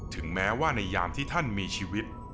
ถึงแม้ว่าในยามที่ท่านมีชีวิต